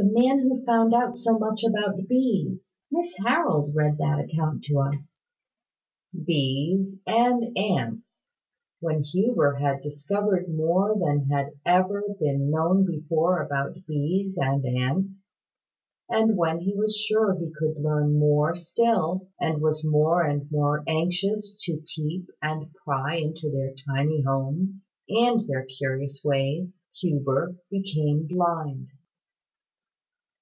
"The man who found out so much about bees. Miss Harold read that account to us." "Bees and ants. When Huber had discovered more than had ever been known before about bees and ants, and when he was sure he could learn more still, and was more and more anxious to peep and pry into their tiny homes, and their curious ways, Huber became blind."